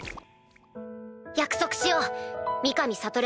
約束しよう三上悟。